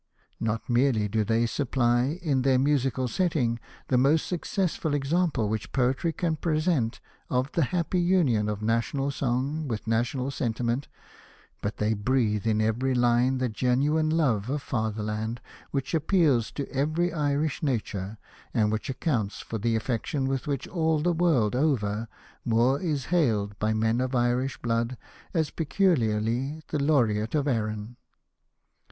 Not merely do they supply in their musical setting the most successful example which poetry can present of the happy union of national song with national sentiment, but they breathe in every line that genuine love of fatherland which appeals to every Irish nature, and which accounts for the affection with which, all the world over, Moore is hailed by men of Irish blood as peculiarly the Laureate of Erin.